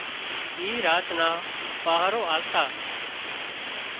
اي راچ نان پاهرو آلتا